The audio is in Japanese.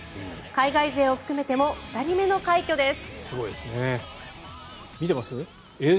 海外勢を含めても２人目の快挙です。